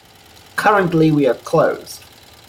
Currently we are closed.